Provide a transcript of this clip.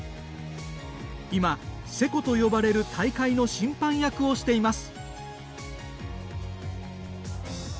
今、勢子と呼ばれる大会の審判役をしています。